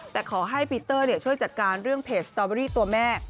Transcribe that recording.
แต่ขอให้ปีเตอร์ช่วยจัดการเรื่องเพจสตอเบอรี่ตัวแม่